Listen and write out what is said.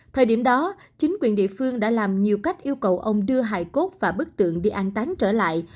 thời điểm đó chính quyền địa phương đã làm nhiều cách yêu cầu ông đưa hài cốt và bức tượng đi an tán trở lại